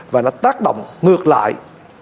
và nó tác động ngược lại